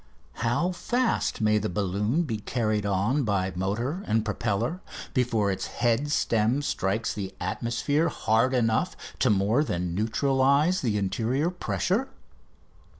How fast may the balloon be carried on by motor and propeller before its head stem strikes the atmosphere hard enough to more than neutralise the interior pressure?